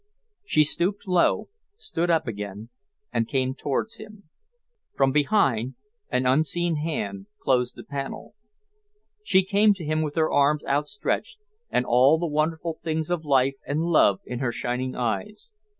She stooped low, stood up again and came towards him. From behind an unseen hand closed the panel. She came to him with her arms outstretched and all the wonderful things of life and love in her shining eyes.